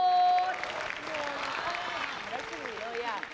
ข้าวสูงอยู่เลย